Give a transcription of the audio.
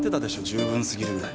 十分すぎるぐらい。